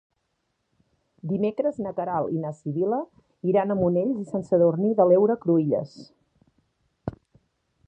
Dimecres na Queralt i na Sibil·la iran a Monells i Sant Sadurní de l'Heura Cruïlles.